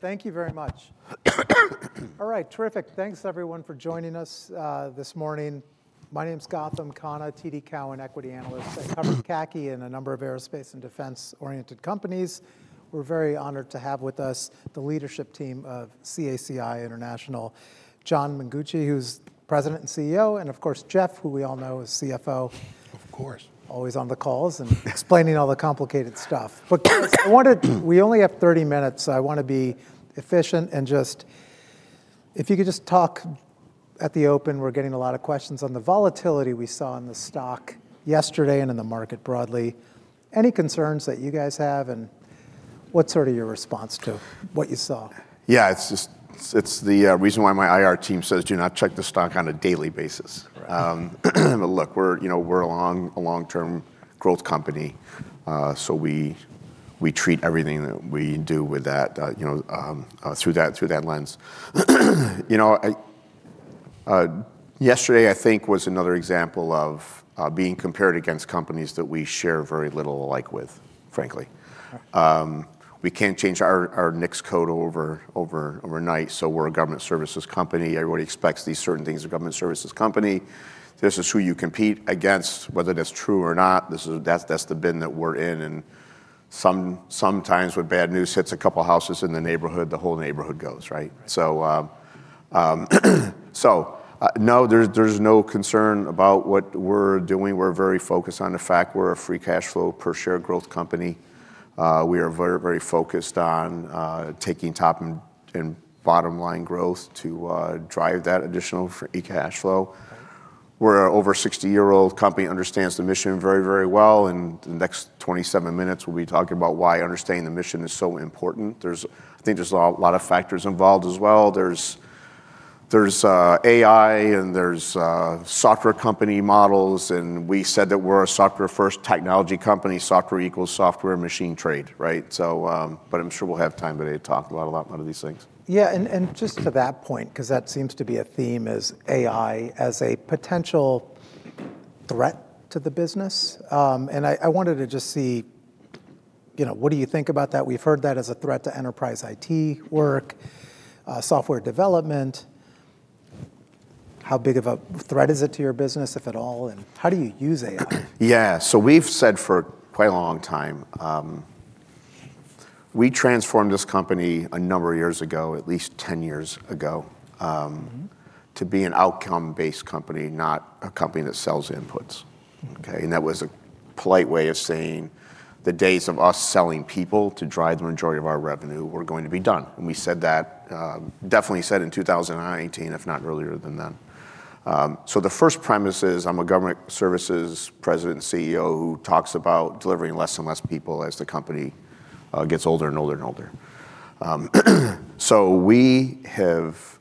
Thank you very much. All right, terrific. Thanks everyone for joining us this morning. My name is Gautam Khanna, TD Cowen equity analyst. I cover CACI and a number of aerospace and defense-oriented companies. We're very honored to have with us the leadership team of CACI International, John Mengucci, who's President and CEO, and of course, Jeff, who we all know is CFO. Of course. Always on the calls and explaining all the complicated stuff. But I wanted. We only have 30 minutes, so I wanna be efficient and just... If you could just talk at the open, we're getting a lot of questions on the volatility we saw in the stock yesterday and in the market broadly. Any concerns that you guys have, and what's sort of your response to what you saw? Yeah, it's just the reason why my IR team says, "Do not check the stock on a daily basis. Right. Look, we're, you know, we're a long-term growth company, so we treat everything that we do with that, you know, through that lens. You know, yesterday, I think, was another example of being compared against companies that we share very little alike with, frankly. Right. We can't change our NAICS code over overnight, so we're a government services company. Everybody expects these certain things of a government services company. This is who you compete against. Whether that's true or not, this is, that's the bin that we're in, and sometimes when bad news hits a couple of houses in the neighborhood, the whole neighborhood goes, right? Right. So, so, no, there's, there's no concern about what we're doing. We're very focused on the fact we're a free cash flow per share growth company. We are very, very focused on taking top and bottom line growth to drive that additional free cash flow. We're an over 60-year-old company, understands the mission very, very well, and the next 27 minutes, we'll be talking about why understanding the mission is so important. There's, I think there's a lot, lot of factors involved as well. There's, there's AI, and there's software company models, and we said that we're a software-first technology company. Software equals software, machine trade, right? So, but I'm sure we'll have time today to talk about a lot more of these things. Yeah, and just to that point, 'cause that seems to be a theme, is AI as a potential threat to the business. I wanted to just see, you know, what do you think about that? We've heard that as a threat to enterprise IT work, software development. How big of a threat is it to your business, if at all, and how do you use AI? Yeah, so we've said for quite a long time, we transformed this company a number of years ago, at least 10 years ago. Mm-hmm... to be an outcome-based company, not a company that sells inputs. Mm-hmm. Okay? And that was a polite way of saying, the days of us selling people to drive the majority of our revenue were going to be done, and we said that, definitely said in 2019, if not earlier than then. So the first premise is, I'm a government services President and CEO who talks about delivering less and less people as the company gets older and older, and older. So we have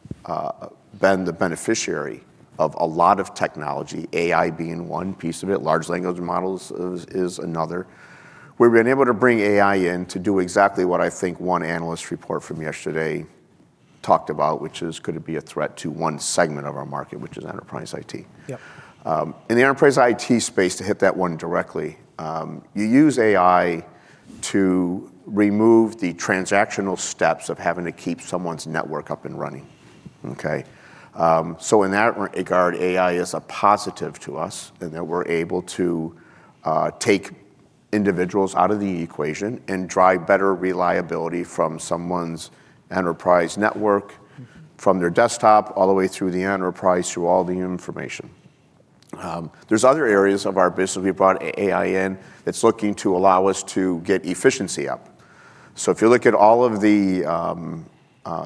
been the beneficiary of a lot of technology, AI being one piece of it, large language models is another. We've been able to bring AI in to do exactly what I think one analyst report from yesterday talked about, which is, could it be a threat to one segment of our market, which is enterprise IT? Yep. In the enterprise IT space, to hit that one directly, you use AI to remove the transactional steps of having to keep someone's network up and running, okay? So in that regard, AI is a positive to us in that we're able to take individuals out of the equation and drive better reliability from someone's enterprise network, from their desktop, all the way through the enterprise, through all the information. There's other areas of our business we've brought AI in that's looking to allow us to get efficiency up. So if you look at all of the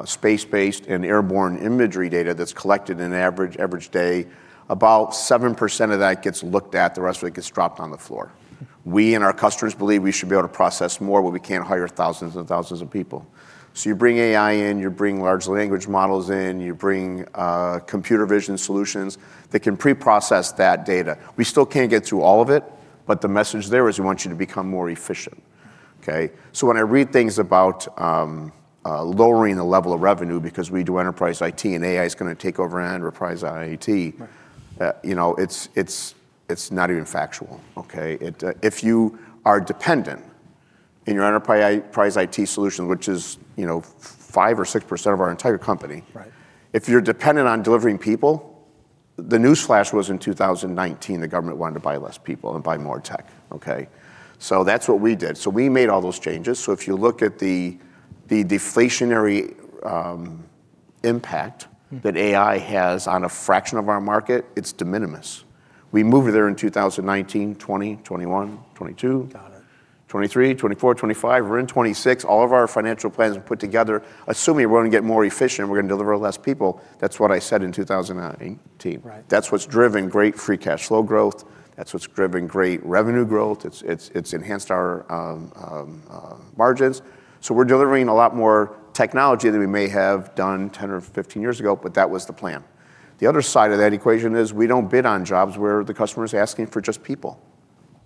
space-based and airborne imagery data that's collected in an average day, about 7% of that gets looked at, the rest of it gets dropped on the floor. We and our customers believe we should be able to process more, but we can't hire thousands and thousands of people. So you bring AI in, you bring large language models in, you bring computer vision solutions that can pre-process that data. We still can't get through all of it, but the message there is we want you to become more efficient, okay? So when I read things about lowering the level of revenue because we do enterprise IT, and AI is gonna take over enterprise IT- Right... you know, it's not even factual, okay? It, if you are dependent on your enterprise IT solution, which is, you know, 5% or 6% of our entire company- Right... if you're dependent on delivering people, the newsflash was in 2019, the government wanted to buy less people and buy more tech, okay? So that's what we did. So we made all those changes. So if you look at the deflationary, impact- Mm-hmm... that AI has on a fraction of our market, it's de minimis. We moved there in 2019, 2020, 2021, 2022- Got it ... 2023, 2024, 2025. We're in 2026. All of our financial plans are put together, assuming we're going to get more efficient, we're going to deliver less people. That's what I said in 2019. Right. That's what's driven great free cash flow growth. That's what's driven great revenue growth. It's, it's, it's enhanced our margins. So we're delivering a lot more technology than we may have done 10 or 15 years ago, but that was the plan. The other side of that equation is, we don't bid on jobs where the customer is asking for just people.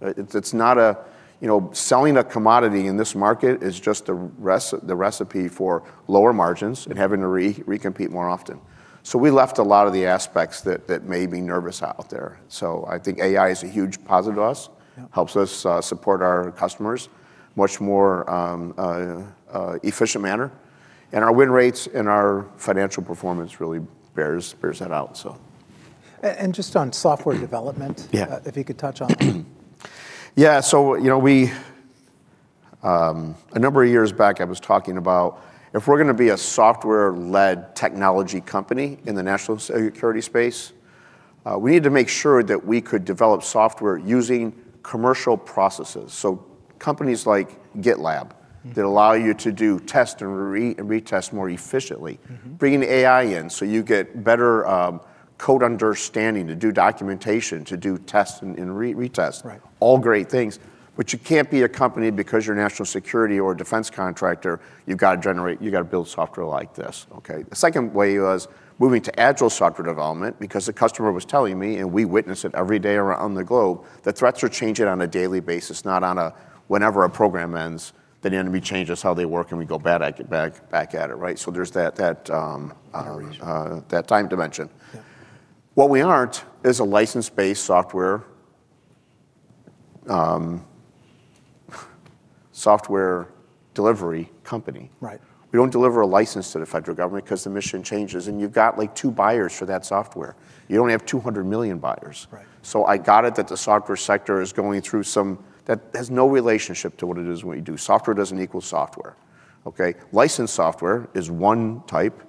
It's not a... You know, selling a commodity in this market is just the recipe for lower margins and having to recompete more often. So we left a lot of the aspects that, that may be nervous out there. So I think AI is a huge positive to us. Yeah. Helps us support our customers in a much more efficient manner. And our win rates and our financial performance really bears that out, so.... and just on software development- Yeah. If you could touch on that. Yeah, so, you know, we, a number of years back, I was talking about if we're gonna be a software-led technology company in the national security space, we need to make sure that we could develop software using commercial processes. So companies like GitLab- Mm. that allow you to do test and retest more efficiently- Mm-hmm. Bringing AI in, so you get better code understanding to do documentation, to do tests and retests. Right. All great things, but you can't be a company because you're a national security or defense contractor, you've gotta generate—you've gotta build software like this, okay? The second way was moving to agile software development because the customer was telling me, and we witness it every day around the globe, that threats are changing on a daily basis, not on a whenever a program ends, the enemy changes how they work, and we go bad at it, back, back at it, right? So there's that, that. Reason... that time dimension. Yeah. What we aren't is a license-based software, software delivery company. Right. We don't deliver a license to the federal government 'cause the mission changes, and you've got, like, two buyers for that software. You only have 200 million buyers. Right. So I got it that the software sector is going through some... That has no relationship to what it is we do. Software doesn't equal software, okay? Licensed software is one type.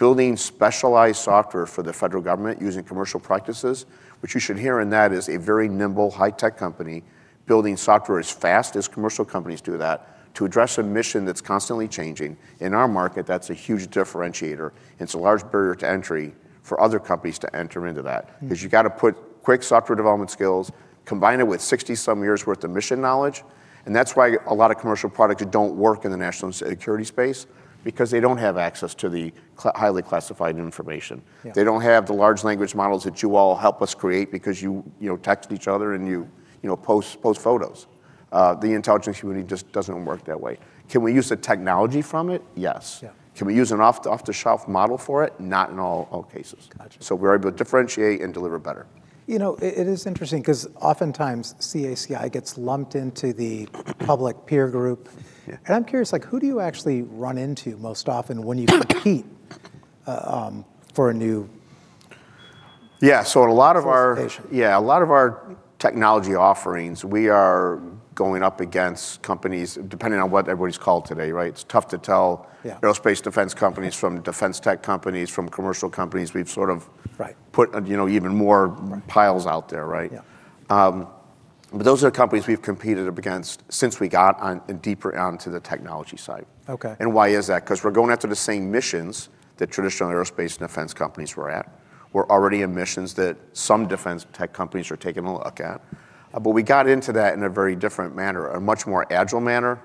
Building specialized software for the federal government using commercial practices, what you should hear in that is a very nimble, high-tech company building software as fast as commercial companies do that, to address a mission that's constantly changing. In our market, that's a huge differentiator, and it's a large barrier to entry for other companies to enter into that. Mm. 'Cause you gotta put quick software development skills, combine it with 60-some years' worth of mission knowledge, and that's why a lot of commercial products don't work in the national security space because they don't have access to the highly classified information. Yeah. They don't have the large language models that you all help us create because you, you know, text each other and you, you know, post, post photos. The intelligence community just doesn't work that way. Can we use the technology from it? Yes. Yeah. Can we use an off-the-shelf model for it? Not in all cases. Gotcha. We're able to differentiate and deliver better. You know, it is interesting 'cause oftentimes CACI gets lumped into the public peer group. Yeah. I'm curious, like, who do you actually run into most often when you compete for a new- Yeah, so a lot of our- Solicitation. Yeah, a lot of our technology offerings, we are going up against companies, depending on what everybody's called today, right? It's tough to tell- Yeah... aerospace defense companies from defense tech companies from commercial companies. We've sort of- Right ...put, you know, even more- Right - piles out there, right? Yeah. But those are the companies we've competed up against since we got on, deeper onto the technology side. Okay. And why is that? 'Cause we're going after the same missions that traditional aerospace and defense companies were at. We're already in missions that some defense tech companies are taking a look at. But we got into that in a very different manner, a much more agile manner,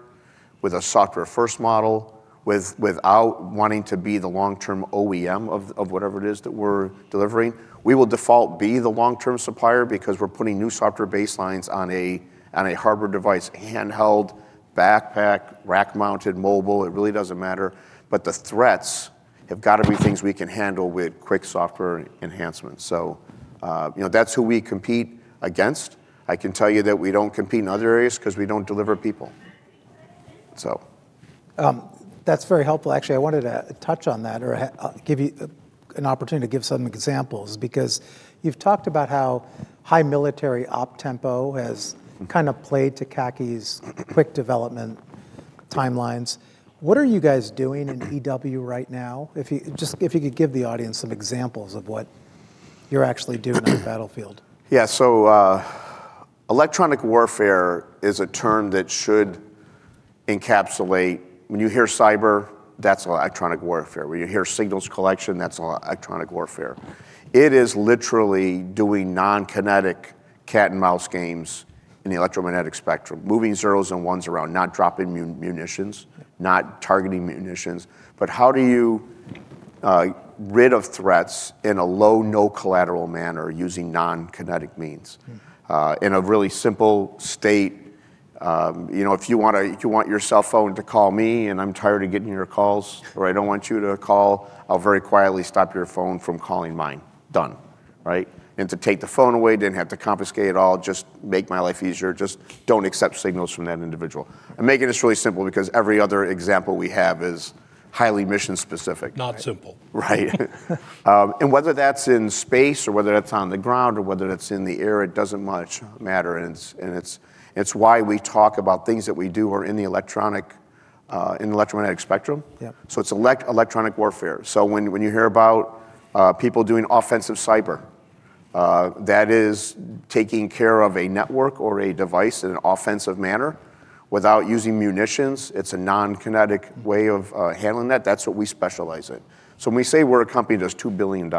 with a software-first model, without wanting to be the long-term OEM of whatever it is that we're delivering. We will default be the long-term supplier because we're putting new software baselines on a hardware device, handheld, backpack, rack-mounted, mobile, it really doesn't matter. But the threats have gotta be things we can handle with quick software enhancements. So, you know, that's who we compete against. I can tell you that we don't compete in other areas 'cause we don't deliver people. So... That's very helpful. Actually, I wanted to touch on that, give you an opportunity to give some examples. Because you've talked about how high military op tempo has- Mm... kind of played to CACI's quick development timelines. What are you guys doing in EW right now? If you just could give the audience some examples of what you're actually doing on the battlefield? Yeah, so, electronic warfare is a term that should encapsulate... When you hear cyber, that's electronic warfare. When you hear signals collection, that's electronic warfare. It is literally doing non-kinetic cat-and-mouse games in the electromagnetic spectrum, moving zeros and ones around, not dropping munitions- Yeah... not targeting munitions. But how do you rid of threats in a low, no-collateral manner using non-kinetic means? Mm. In a really simple state, you know, if you want your cell phone to call me, and I'm tired of getting your calls, or I don't want you to call, I'll very quietly stop your phone from calling mine. Done, right? And to take the phone away, didn't have to confiscate it at all, just make my life easier. Just don't accept signals from that individual. I'm making this really simple because every other example we have is highly mission specific. Not simple. Right. And whether that's in space or whether that's on the ground or whether that's in the air, it doesn't much matter, and it's why we talk about things that we do are in the electromagnetic spectrum. Yeah. So it's electronic warfare. So when you hear about people doing offensive cyber, that is taking care of a network or a device in an offensive manner without using munitions. It's a non-kinetic way of handling that. That's what we specialize in. So when we say we're a company that's $2 billion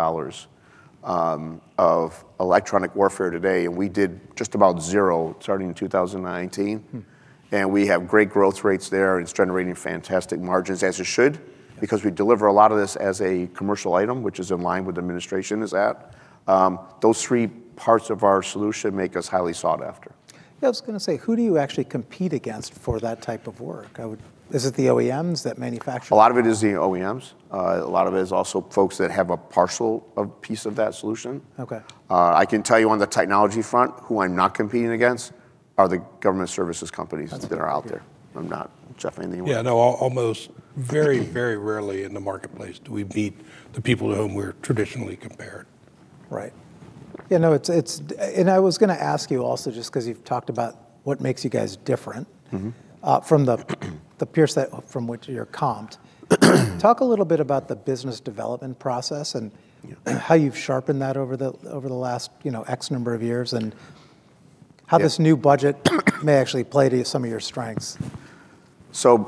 of electronic warfare today, and we did just about zero starting in 2019- Mm... and we have great growth rates there, and it's generating fantastic margins, as it should, because we deliver a lot of this as a commercial item, which is in line with the administration is at. Those three parts of our solution make us highly sought after. Yeah, I was gonna say, who do you actually compete against for that type of work? Is it the OEMs that manufacture? A lot of it is the OEMs. A lot of it is also folks that have a partial of, piece of that solution. Okay. I can tell you on the technology front, who I'm not competing against are the government services companies. That's it. that are out there. Jeff, anything you wanna? Yeah, no, almost very, very rarely in the marketplace do we meet the people to whom we're traditionally compared. Right. Yeah, no, it's. And I was gonna ask you also, just 'cause you've talked about what makes you guys different- Mm-hmm. From the peer set from which you're comped. Talk a little bit about the business development process, and Yeah... how you've sharpened that over the last, you know, X number of years, and how this new budget may actually play to some of your strengths. So,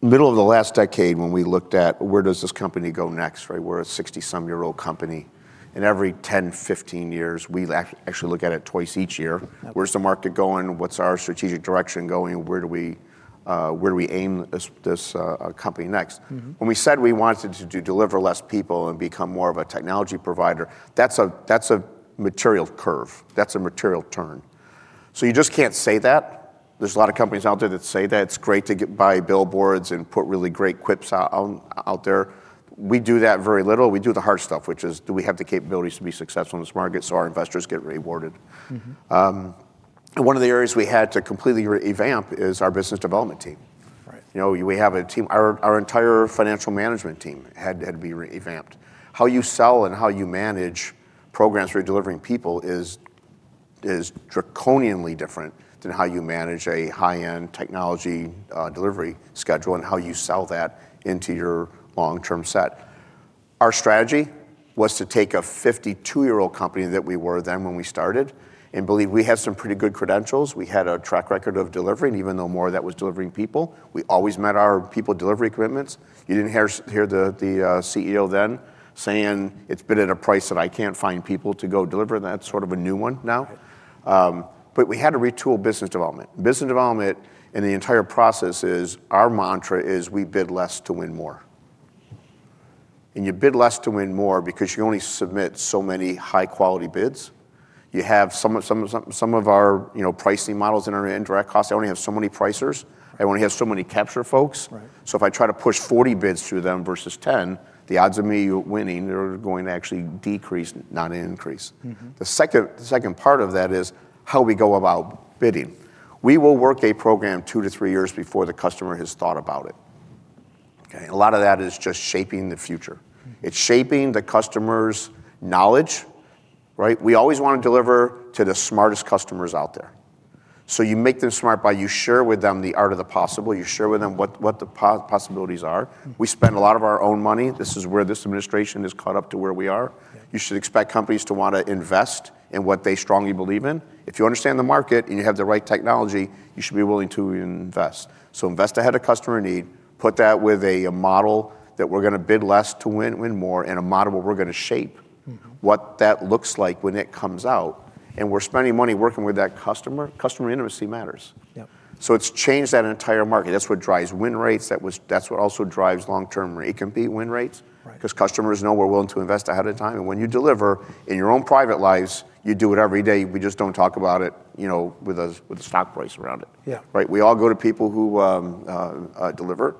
middle of the last decade, when we looked at where does this company go next, right? We're a 60-some-year-old company, and every 10, 15 years, we actually look at it twice each year. Mm-hmm. Where's the market going? What's our strategic direction going? Where do we, where do we aim this, this, company next? Mm-hmm. When we said we wanted to deliver less people and become more of a technology provider, that's a material curve. That's a material turn. So you just can't say that. There's a lot of companies out there that say that. It's great to buy billboards and put really great quips out there. We do that very little. We do the hard stuff, which is, do we have the capabilities to be successful in this market so our investors get rewarded? Mm-hmm. One of the areas we had to completely revamp is our business development team. Right. You know, we have a team. Our entire financial management team had to be revamped. How you sell and how you manage programs for delivering people is draconianly different than how you manage a high-end technology delivery schedule, and how you sell that into your long-term set. Our strategy was to take a 52-year-old company, that we were then when we started, and believe we had some pretty good credentials. We had a track record of delivering, even though more of that was delivering people. We always met our people delivery commitments. You didn't hear hear the CEO then saying, "It's been at a price that I can't find people to go deliver," and that's sort of a new one now. Right. But we had to retool business development. Business development, in the entire process, is, our mantra is, "We bid less to win more." And you bid less to win more because you only submit so many high-quality bids. You have some of our, you know, pricing models in our indirect costs, I only have so many pricers. I only have so many capture folks. Right. So if I try to push 40 bids through them versus 10, the odds of me winning are going to actually decrease, not increase. Mm-hmm. The second part of that is how we go about bidding. We will work a program 2-3 years before the customer has thought about it, okay? A lot of that is just shaping the future. Mm. It's shaping the customer's knowledge, right? We always wanna deliver to the smartest customers out there, so you make them smart by you share with them the art of the possible. You share with them what the possibilities are. Mm. We spend a lot of our own money. This is where this administration has caught up to where we are. Yeah. You should expect companies to wanna invest in what they strongly believe in. If you understand the market, and you have the right technology, you should be willing to invest. So invest ahead of customer need, put that with a model that we're gonna bid less to win, win more, and a model where we're gonna shape- Mm-hmm... what that looks like when it comes out, and we're spending money working with that customer. Customer intimacy matters. Yep. It's changed that entire market. That's what drives win rates. That's what also drives long-term compete win rates. Right... 'cause customers know we're willing to invest ahead of time. And when you deliver, in your own private lives, you do it every day. We just don't talk about it, you know, with a stock price around it. Yeah. Right? We all go to people who deliver,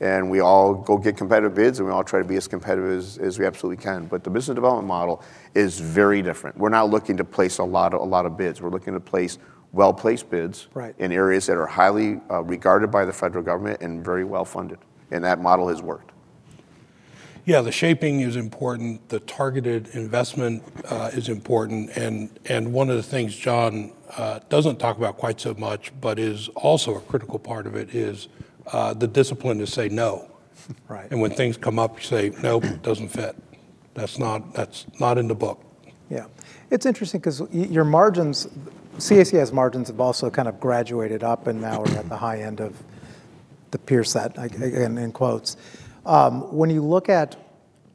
and we all go get competitive bids, and we all try to be as competitive as we absolutely can. But the business development model is very different. We're not looking to place a lot of bids. We're looking to place well-placed bids- Right... in areas that are highly regarded by the federal government and very well-funded, and that model has worked. Yeah, the shaping is important. The targeted investment is important, and, and one of the things John doesn't talk about quite so much, but is also a critical part of it, is the discipline to say no. Right. When things come up, you say, "Nope, doesn't fit. That's not, that's not in the book. Yeah. It's interesting because your margins, CACI's margins have also kind of graduated up, and now are at the high end of the peer set, I, again, in quotes. When you look at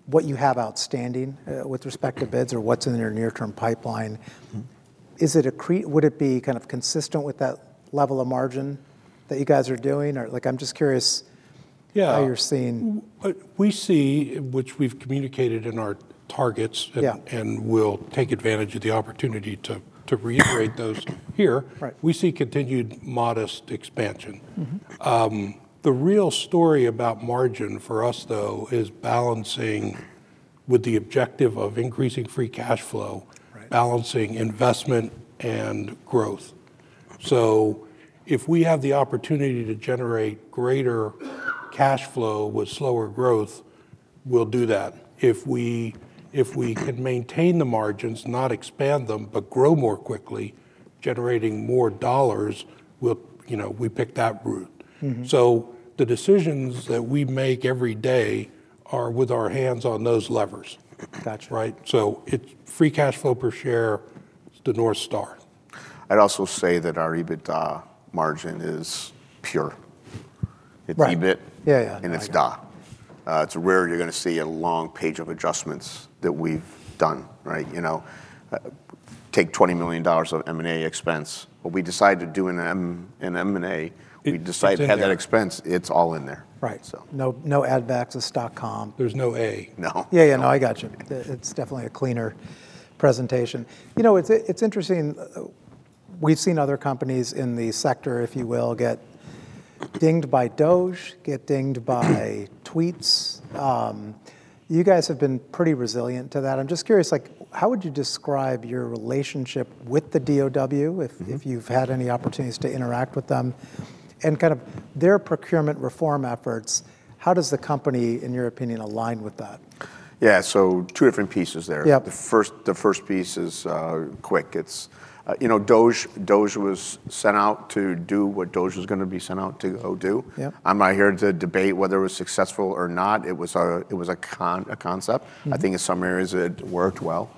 what you have outstanding, with respect to bids or what's in your near-term pipeline- Mm... is it a would it be kind of consistent with that level of margin that you guys are doing? Or, like, I'm just curious- Yeah... how you're seeing. We see, which we've communicated in our targets- Yeah... and we'll take advantage of the opportunity to reiterate those here. Right. We see continued modest expansion. Mm-hmm. The real story about margin for us, though, is balancing, with the objective of increasing free cash flow- Right... balancing investment and growth. So if we have the opportunity to generate greater cash flow with slower growth, we'll do that. If we, if we can maintain the margins, not expand them, but grow more quickly, generating more dollars, we'll, you know, we pick that route. Mm-hmm. The decisions that we make every day are with our hands on those levers. That's right. It's free cash flow per share. It's the North Star. I'd also say that our EBITDA margin is pure. Right. It's EBIT- Yeah, yeah... and it's DA. It's rare you're gonna see a long page of adjustments that we've done, right? You know, take $20 million of M&A expense. What we decide to do in M&A- It-... we decide to have that expense, it's all in there. Right. So. No, no add-backs.com. There's no A. No. Yeah, yeah, no, I got you. It's definitely a cleaner presentation. You know, it's interesting, we've seen other companies in the sector, if you will, get dinged by DOGE, get dinged by tweets. You guys have been pretty resilient to that. I'm just curious, like, how would you describe your relationship with the DOGE, if you've had any opportunities to interact with them? And kind of their procurement reform efforts, how does the company, in your opinion, align with that? Yeah, so two different pieces there. Yep. The first piece is quick. It's, you know, DOGE. DOGE was sent out to do what DOGE was gonna be sent out to go do. Yep. I'm not here to debate whether it was successful or not. It was a concept. Mm. I think in some areas it worked well.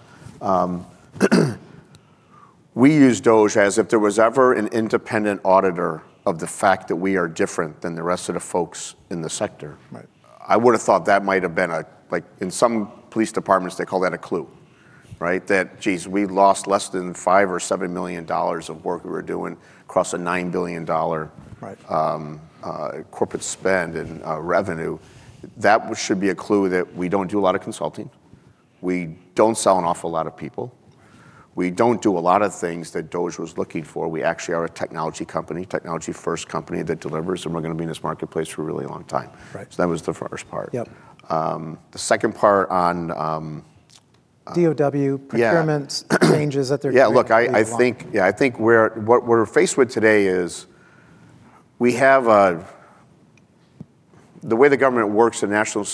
We use DOGE as if there was ever an independent auditor of the fact that we are different than the rest of the folks in the sector- Right... I would've thought that might have been a, like, in some police departments, they call that a clue, right? That, geez, we lost less than $5 million or $7 million of work we were doing across a $9 billion- Right... corporate spend and revenue. That should be a clue that we don't do a lot of consulting. We don't sell an awful lot of people. We don't do a lot of things that DOGE was looking for. We actually are a technology company, technology-first company that delivers, and we're gonna be in this marketplace for a really long time. Right. So that was the first part. Yep. The second part on, DoD- Yeah... procurements, changes that they're- Yeah, look, I think, yeah, I think what we're faced with today is we have a... The way the government works in national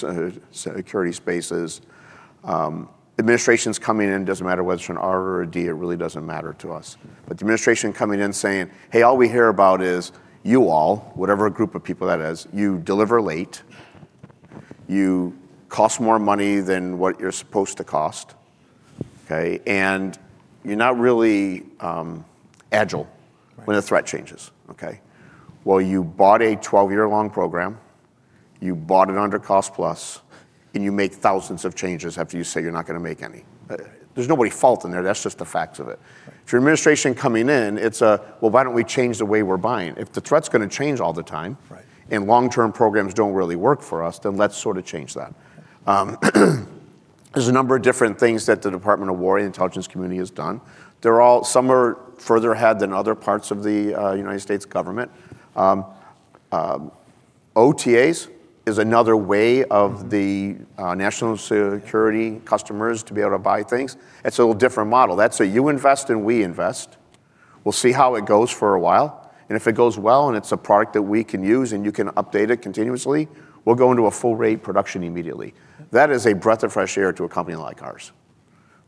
security spaces, administrations coming in, doesn't matter whether it's an R or a D, it really doesn't matter to us. But the administration coming in saying: "Hey, all we hear about is you all," whatever group of people that is, "you deliver late, you cost more money than what you're supposed to cost, okay? And you're not really agile- Right... when the threat changes," okay? Well, you bought a 12-year-long program, you bought it under cost plus, and you make thousands of changes after you say you're not gonna make any. There's nobody's fault in there, that's just the facts of it. Right. If your administration coming in, it's, "Well, why don't we change the way we're buying? If the threat's gonna change all the time- Right... and long-term programs don't really work for us, then let's sort of change that. There's a number of different things that the Department of War and Intelligence community has done. They're some are further ahead than other parts of the United States government. OTAs is another way of the national security customers to be able to buy things. It's a little different model. That's a you invest, and we invest. We'll see how it goes for a while, and if it goes well, and it's a product that we can use, and you can update it continuously, we'll go into a full rate production immediately. That is a breath of fresh air to a company like ours,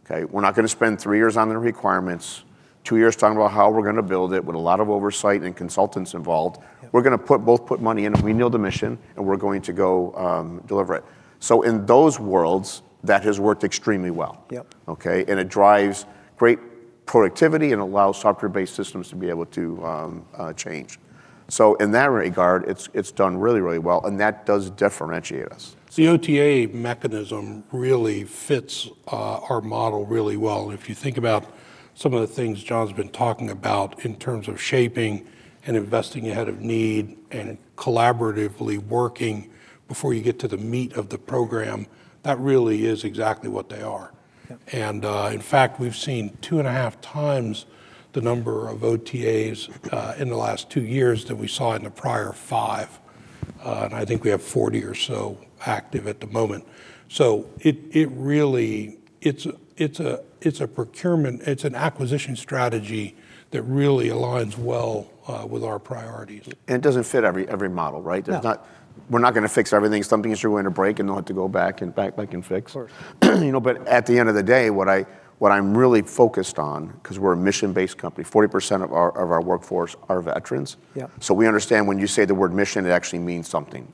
okay? We're not gonna spend three years on the requirements, two years talking about how we're gonna build it, with a lot of oversight and consultants involved. Yep. We're gonna both put money in, and we know the mission, and we're going to go deliver it. So in those worlds, that has worked extremely well. Yep. Okay? And it drives great productivity and allows software-based systems to be able to change. So in that regard, it's, it's done really, really well, and that does differentiate us. The OTA mechanism really fits our model really well. If you think about some of the things John's been talking about in terms of shaping and investing ahead of need, and collaboratively working before you get to the meat of the program, that really is exactly what they are. Yep. In fact, we've seen 2.5 times the number of OTAs in the last two years than we saw in the prior five. And I think we have 40 or so active at the moment. So it really is a procurement. It's an acquisition strategy that really aligns well with our priorities. It doesn't fit every model, right? No. We're not gonna fix everything. Some things are going to break and they'll have to go back and back, like, and fix. Of course. You know, but at the end of the day, what I, what I'm really focused on, 'cause we're a mission-based company, 40% of our, of our workforce are veterans- Yeah... so we understand when you say the word mission, it actually means something.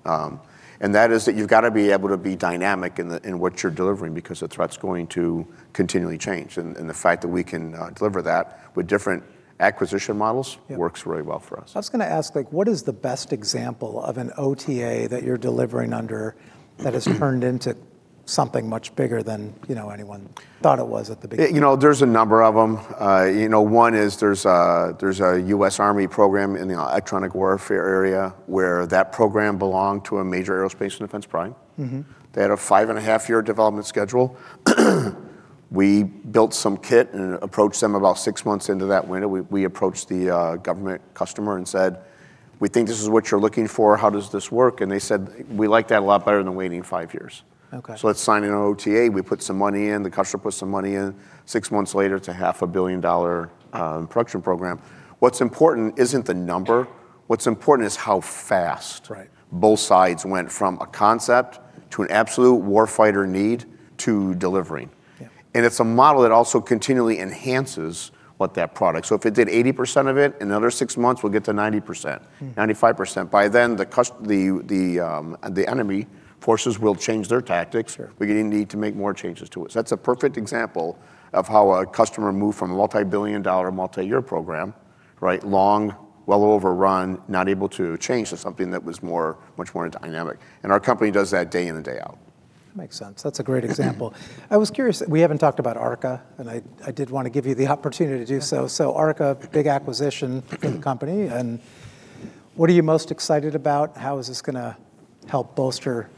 And that is that you've gotta be able to be dynamic in what you're delivering because the threat's going to continually change. And the fact that we can deliver that with different acquisition models- Yeah... works very well for us. I was gonna ask, like, what is the best example of an OTA that you're delivering under that has turned into something much bigger than, you know, anyone thought it was at the beginning? You know, there's a number of them. You know, one is there's a U.S. Army program in the electronic warfare area, where that program belonged to a major aerospace and defense prime. Mm-hmm. They had a 5.5-year development schedule. We built some kit and approached them about six months into that window. We approached the government customer and said, "We think this is what you're looking for. How does this work?" And they said, "We like that a lot better than waiting five years. Okay. So let's sign an OTA." We put some money in, the customer put some money in. Six months later, it's a $500 million production program. What's important isn't the number, what's important is how fast- Right... both sides went from a concept to an absolute warfighter need, to delivering. Yeah. It's a model that also continually enhances what that product... So if it did 80% of it, in another six months, we'll get to 90%, 95%. By then, the enemy forces will change their tactics- Sure... we're gonna need to make more changes to it. So that's a perfect example of how a customer moved from a multi-billion-dollar, multi-year program, right? Long, well overrun, not able to change to something that was more, much more dynamic. And our company does that day in and day out. Makes sense. That's a great example. I was curious, we haven't talked about ARKA, and I did wanna give you the opportunity to do so. So ARKA, big acquisition for the company, and what are you most excited about? How is this gonna help bolster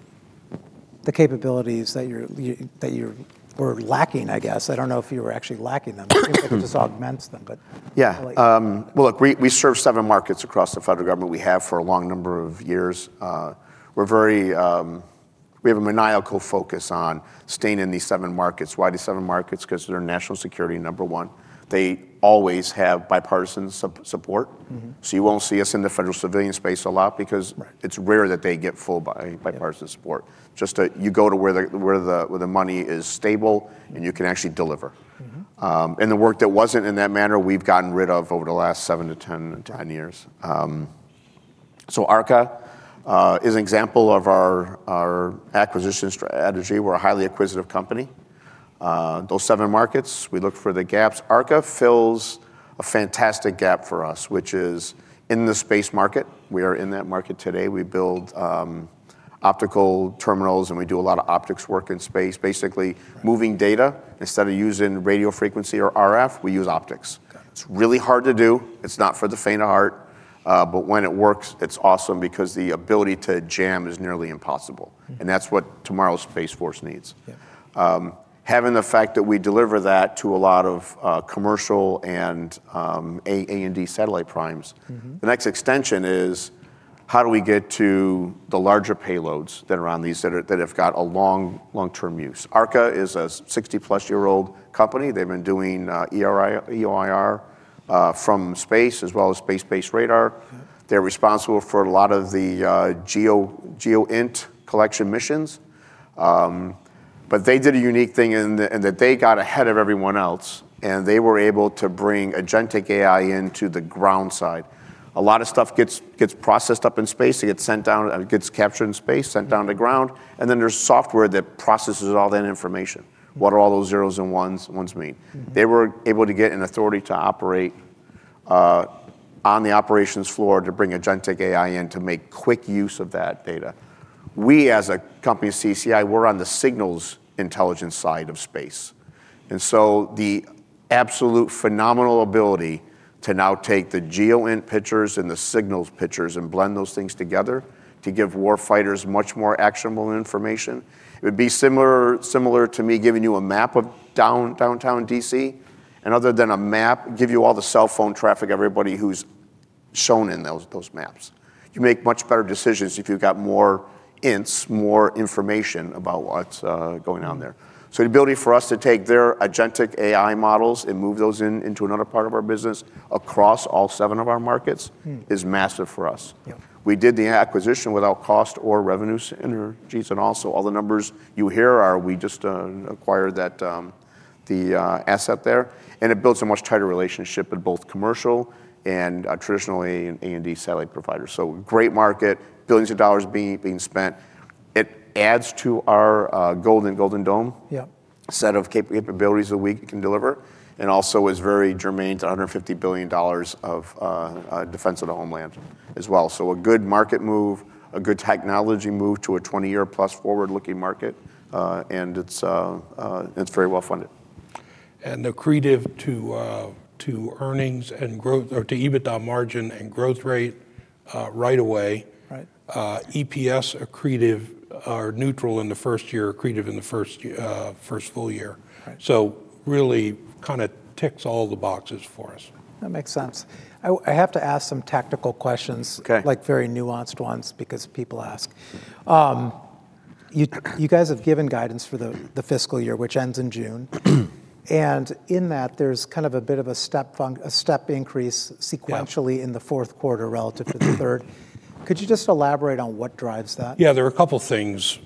the capabilities that you were lacking, I guess. I don't know if you were actually lacking them. It just augments them, but- Yeah, well, look, we serve seven markets across the federal government. We have for a long number of years. We're very... We have a maniacal focus on staying in these seven markets. Why these seven markets? 'Cause they're national security, number one. They always have bipartisan support. Mm-hmm. You won't see us in the federal civilian space a lot, because- Right... it's rare that they get full bipartisan support. Just, you go to where the money is stable, and you can actually deliver. Mm-hmm. The work that wasn't in that manner, we've gotten rid of over the last 7-10 years. So ARKA is an example of our acquisition strategy. We're a highly acquisitive company. Those seven markets, we look for the gaps. ARKA fills a fantastic gap for us, which is in the space market. We are in that market today. We build optical terminals, and we do a lot of optics work in space, basically- Right... moving data. Instead of using radio frequency or RF, we use optics. Got it. It's really hard to do. It's not for the faint of heart, but when it works, it's awesome because the ability to jam is nearly impossible. Mm. That's what tomorrow's Space Force needs. Yeah. Having the fact that we deliver that to a lot of commercial and A&D satellite primes- Mm-hmm... the next extension is, how do we get to the larger payloads that are on these, that are, that have got a long long-term use? ARKA is a 60-plus-year-old company. They've been doing, EO/IR, EOIR, from space, as well as space-based radar. Mm. They're responsible for a lot of the geo, GEOINT collection missions. But they did a unique thing in that, in that they got ahead of everyone else, and they were able to bring Agentic AI into the ground side. A lot of stuff gets processed up in space. It gets sent down, gets captured in space, sent down to ground, and then there's software that processes all that information. What do all those zeros and ones mean? Mm. They were able to get an authority to operate on the operations floor to bring agentic AI in to make quick use of that data. We, as a company, CACI, we're on the signals intelligence side of space, and so the absolute phenomenal ability to now take the GEOINT pictures and the signals pictures and blend those things together to give war fighters much more actionable information. It would be similar, similar to me giving you a map of downtown D.C., and other than a map, give you all the cell phone traffic of everybody who's shown in those, those maps. You make much better decisions if you've got more ints, more information about what's going on there. So the ability for us to take their agentic AI models and move those into another part of our business across all seven of our markets- Mm... is massive for us. Yeah. We did the acquisition without cost or revenues synergies, and also all the numbers you hear are, we just acquired that, the asset there, and it builds a much tighter relationship with both commercial and traditionally A&D satellite providers. So great market, billions of dollars being spent. It adds to our Golden Dome- Yeah... set of capabilities that we can deliver, and also is very germane to $150 billion of defense of the homeland as well. So a good market move, a good technology move to a 20-year-plus forward-looking market, and it's very well-funded. Accretive to to earnings and growth, or to EBITDA margin and growth rate, right away. Right. EPS accretive or neutral in the first year, accretive in the first full year. Right. So really kind of ticks all the boxes for us. That makes sense. I have to ask some tactical questions- Okay... like, very nuanced ones because people ask. You guys have given guidance for the fiscal year, which ends in June. And in that, there's kind of a bit of a step increase sequentially- Yeah... in the fourth quarter relative to the third. Could you just elaborate on what drives that? Yeah, there are a couple of things.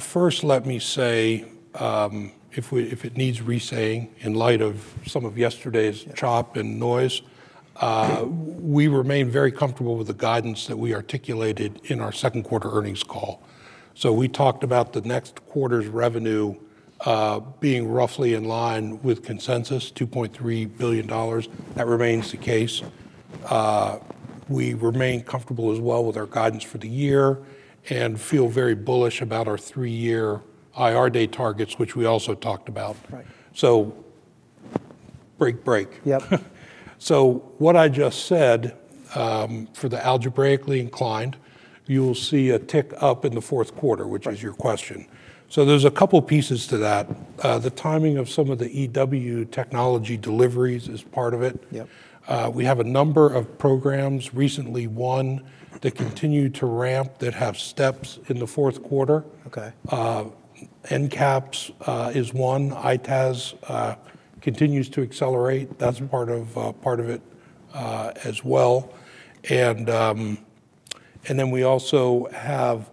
First, let me say, if we, if it needs re-saying, in light of some of yesterday's chop and noise- Yeah... we remain very comfortable with the guidance that we articulated in our second quarter earnings call. So we talked about the next quarter's revenue, being roughly in line with consensus, $2.3 billion. That remains the case. We remain comfortable as well with our guidance for the year and feel very bullish about our three-year IR day targets, which we also talked about. Right. Break, break. Yep. So what I just said, for the algebraically inclined, you will see a tick up in the fourth quarter- Right... which is your question. So there's a couple pieces to that. The timing of some of the EW technology deliveries is part of it. Yep. We have a number of programs, recently, one that continue to ramp, that have steps in the fourth quarter. Okay. NCAPS is one. ITAS continues to accelerate. Mm-hmm. That's part of it, as well. And then we also have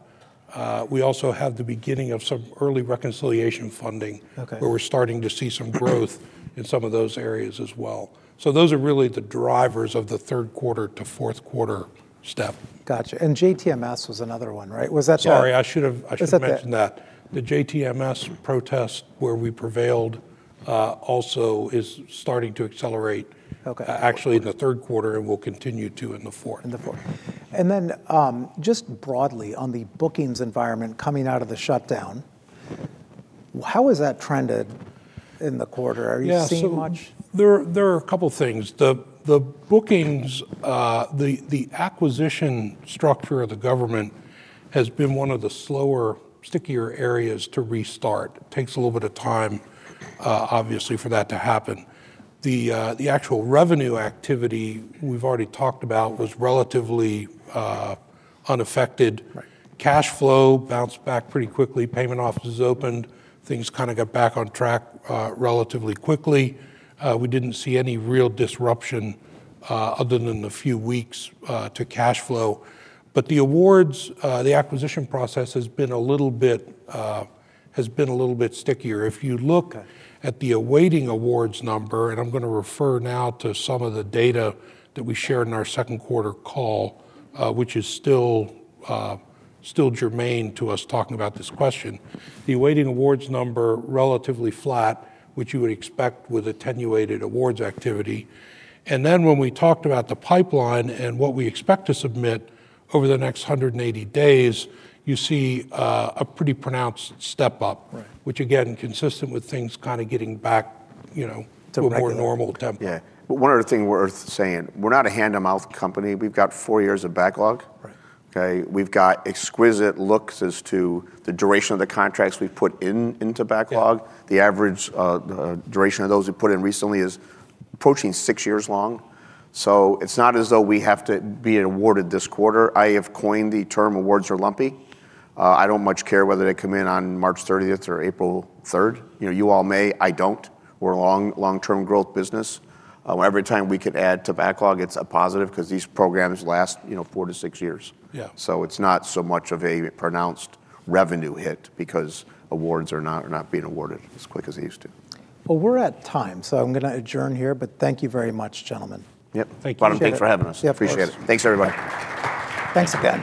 the beginning of some early reconciliation funding- Okay... where we're starting to see some growth in some of those areas as well. So those are really the drivers of the third quarter to fourth quarter step. Gotcha. And JTMS was another one, right? Was that the- Sorry, I should have mentioned that. Is that the- The JTMS protest, where we prevailed, also is starting to accelerate- Okay... actually in the third quarter and will continue to in the fourth. In the fourth. And then, just broadly, on the bookings environment coming out of the shutdown-... How is that trended in the quarter? Are you seeing much- Yeah, so there are a couple things. The bookings, the acquisition structure of the government has been one of the slower, stickier areas to restart. Takes a little bit of time, obviously, for that to happen. The actual revenue activity, we've already talked about, was relatively, unaffected. Right. Cash flow bounced back pretty quickly. Payment offices opened, things kind of got back on track, relatively quickly. We didn't see any real disruption, other than the few weeks, to cash flow. But the awards, the acquisition process has been a little bit, has been a little bit stickier. Okay. If you look at the awaiting awards number, and I'm gonna refer now to some of the data that we shared in our second quarter call, which is still germane to us talking about this question. The awaiting awards number, relatively flat, which you would expect with attenuated awards activity. And then when we talked about the pipeline and what we expect to submit over the next 180 days, you see, a pretty pronounced step-up- Right... which, again, consistent with things kind of getting back, you know, to a more normal tempo. Yeah. One other thing worth saying, we're not a hand-to-mouth company. We've got four years of backlog. Right. Okay? We've got exquisite looks as to the duration of the contracts we've put into backlog. Yeah. The average duration of those we put in recently is approaching six years long. So it's not as though we have to be awarded this quarter. I have coined the term, "Awards are lumpy." I don't much care whether they come in on March 30th or April 3rd. You know, you all may, I don't. We're a long, long-term growth business. Every time we can add to backlog, it's a positive, 'cause these programs last, you know, four to six years. Yeah. So it's not so much of a pronounced revenue hit because awards are not being awarded as quick as they used to. Well, we're at time, so I'm gonna adjourn here, but thank you very much, gentlemen. Yep. Thank you. Bob, thanks for having us. Yeah, of course. Appreciate it. Thanks, everybody. Thanks, again.